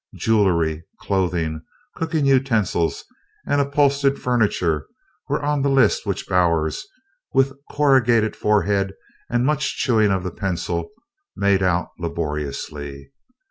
Jewelry, clothing, cooking utensils and upholstered furniture were on the list which Bowers, with corrugated forehead and much chewing of the pencil, made out laboriously.